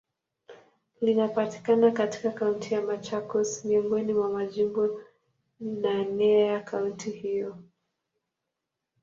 Linapatikana katika Kaunti ya Machakos, miongoni mwa majimbo naneya kaunti hiyo.